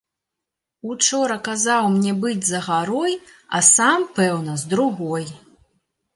Учора казаў мне быць за гарой, а сам, пэўна, з другой.